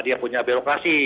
dia punya birokrasi